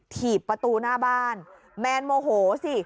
ถีบประตูหน้าบ้านแมนโมโหสิ